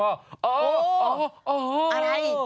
อ๋ออ๋ออ๋ออ๋ออะไร